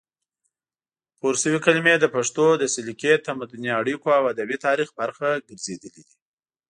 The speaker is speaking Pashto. پورشوي کلمې د پښتو د سلیقې، تمدني اړیکو او ادبي تاریخ برخه ګرځېدلې دي،